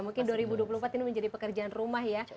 mungkin dua ribu dua puluh empat ini menjadi pekerjaan rumah ya